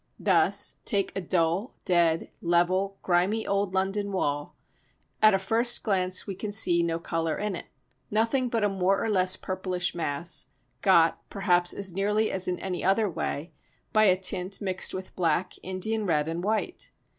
Thus, take a dull, dead, level, grimy old London wall: at a first glance we can see no colour in it, nothing but a more or less purplish mass, got, perhaps as nearly as in any other way, by a tint mixed with black, Indian red and white.